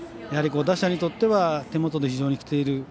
打者にとっては手元に非常にきている。